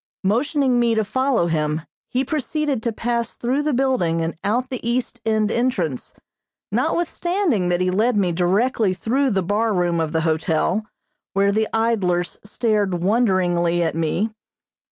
Motioning me to follow him, he proceeded to pass through the building and out the east end entrance, notwithstanding that he led me directly through the bar room of the hotel, where the idlers stared wonderingly at me.